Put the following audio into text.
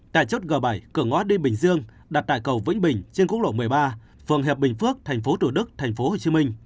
tại chốt g bảy cửa ngó đi bình dương đặt tại cầu vĩnh bình trên quốc lộ một mươi ba phường hiệp bình phước tp tq tp hcm